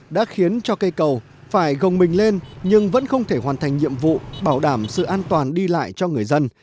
đã khiến cho cây cầu phải gồng mình lên nhưng vẫn không thể hoàn thành nhiệm vụ bảo đảm sự an toàn đi lại cho người dân